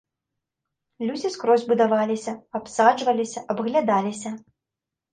Людзі скрозь будаваліся, абсаджваліся, абглядаліся.